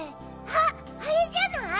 あっあれじゃない？